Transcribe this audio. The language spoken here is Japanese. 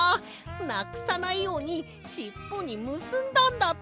なくさないようにしっぽにむすんだんだった！